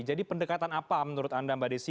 jadi pendekatan apa menurut anda mbak desi